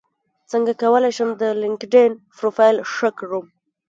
څنګه کولی شم د لینکیډن پروفایل ښه کړم